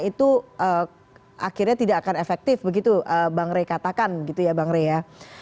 itu akhirnya tidak akan efektif begitu bang rey katakan gitu ya bang rey ya